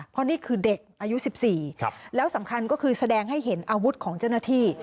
เพราะนี่คือเด็กอายุ๑๔แล้วสำคัญก็คือแสดงให้เห็นอาวุธของเจ้าหน้าที่